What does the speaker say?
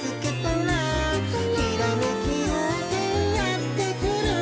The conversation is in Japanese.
「ひらめきようせいやってくる」